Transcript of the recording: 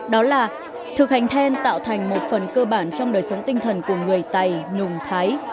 đó là thực hành then tạo thành một phần cơ bản trong đời sống tinh thần của người tày nùng thái